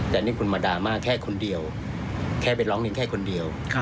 แต่นี่คุณมาดราม่าแค่คนเดียวแค่ไปร้องเรียนแค่คนเดียว